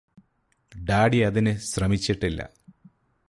daddy അതിന് ശ്രമിച്ചിട്ടില്ല